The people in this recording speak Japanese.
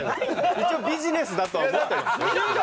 一応ビジネスだとは思ってますよ。